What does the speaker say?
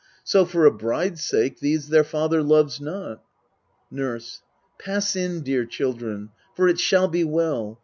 So, for a bride's sake, these their father loves not. Nurse. Pass in, dear children, for it shall be well.